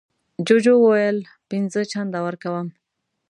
جوجو وویل پینځه چنده ورکوم.